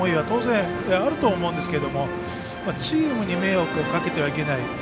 当然、あると思うんですけどもチームに迷惑をかけてはいけない。